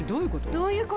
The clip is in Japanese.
どういう事？